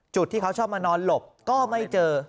จุดที่เขาชอบมานอนหลบก็ไม่เจอ